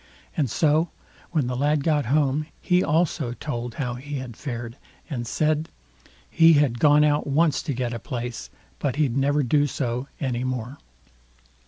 And so when the lad got home, he also told how he had fared, and said, he had gone out once to get a place, but he'd never do so any more.